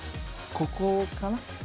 ここかな？